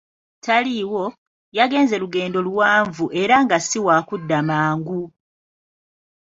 Taliiwo, yagenze lugendo luwanvu era nga si wakudda mangu.